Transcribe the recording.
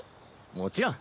もちろん。